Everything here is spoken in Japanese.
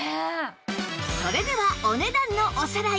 それではお値段のおさらい